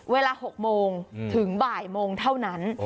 เวลา๖โมงถึงบ่ายโมงเท่านั้น